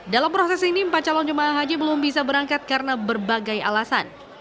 dalam proses ini empat calon jemaah haji belum bisa berangkat karena berbagai alasan